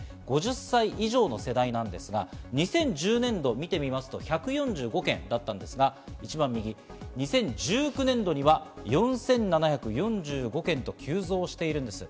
５０歳以上の世代なんですが２０１０年度を見てみますと１４５件だったんですが一番右、２０１９年度には４７４５件と急増しているんです。